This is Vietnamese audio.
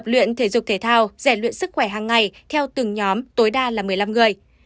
những sự kiện biểu diễn văn hóa nghệ thuật thể dục thể thao dạy luyện sức khỏe hàng ngày theo từng nhóm tối đa là một mươi năm người